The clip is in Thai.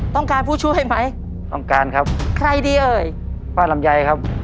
ต้องการผู้ช่วยไหมต้องการครับใครดีเอ่ยป้าลำไยครับ